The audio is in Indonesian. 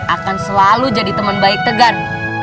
akan selalu jadi teman baik tegan